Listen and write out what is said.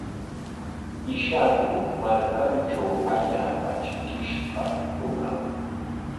Ishaku markantraw allaapa trikishqa runam.